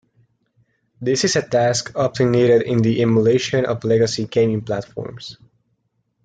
This is a task often needed in the emulation of legacy gaming platforms.